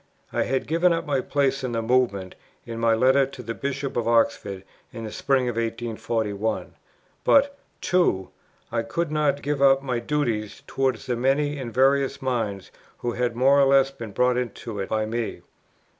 I had given up my place in the Movement in my letter to the Bishop of Oxford in the spring of 1841; but 2. I could not give up my duties towards the many and various minds who had more or less been brought into it by me; 3.